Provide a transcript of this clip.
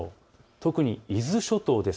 特に伊豆諸島です。